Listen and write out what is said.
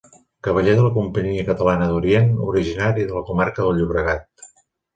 Cavaller de la Companyia catalana d'Orient, originari de la comarca del Llobregat.